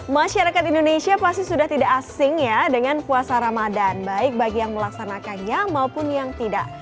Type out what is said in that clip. masyarakat indonesia pasti sudah tidak asing ya dengan puasa ramadan baik bagi yang melaksanakannya maupun yang tidak